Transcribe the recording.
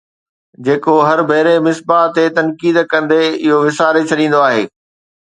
جيڪو هر ڀيري مصباح تي تنقيد ڪندي اهو وساري ڇڏيندو آهي